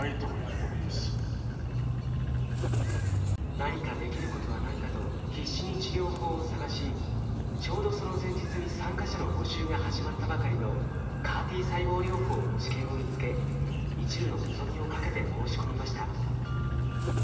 何かできることはないかと必死に治療法を探しちょうどその前日に参加者の募集が始まったばかりのＣＡＲ−Ｔ細胞療法の治験を見つけいちるの望みをかけて申し込みました。